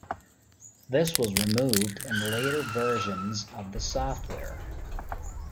This was removed in later versions of the software.